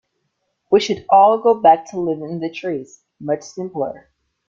We should all go back to living in the trees, much simpler.